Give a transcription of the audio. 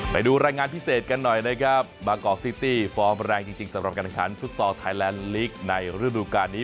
ไปดูรายงานพิเศษกันหน่อยเลยครับบางกอกซิตี้ฟอร์มแรงจริงจริงสำหรับการขันศึกษาไทยแลนด์ลีกในรูปรูปการณ์นี้